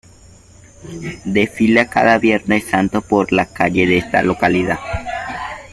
Desfila cada Viernes Santo por las calles de esta localidad.